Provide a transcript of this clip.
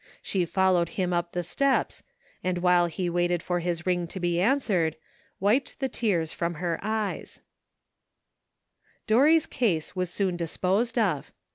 She followed him up the steps, and while he waited for his ring to be answered, wiped the tears from her eyes. 2% GREAT QUESTIONS SETTLED. Dorry's case was soon disposed of.